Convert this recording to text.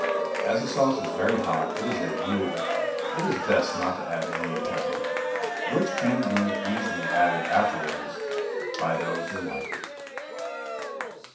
As the sauce is very hot, as a rule it is best not to add any pepper, which can be easily added afterwards by those who like it.